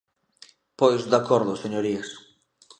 Pois, de acordo, señorías.